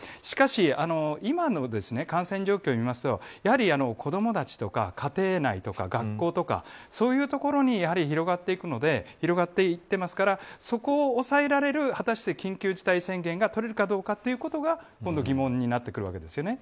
しかし、今の感染状況を見るとやはり子どもたちとか家庭内とか学校とかそういう所にやはり広がっていってますからそこを抑えられる緊急事態宣言が取れるかどうかということが今度は疑問になってきます。